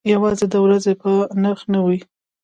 یوازې د ورځې په نرخ نه و.